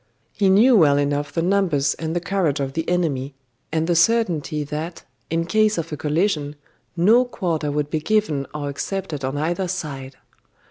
He knew well enough the numbers and the courage of the enemy, and the certainty that, in case of a collision, no quarter would be given or accepted on either side....